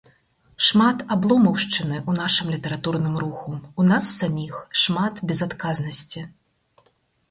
Шмат абломаўшчыны ў нашым літаратурным руху, у нас саміх, шмат безадказнасці.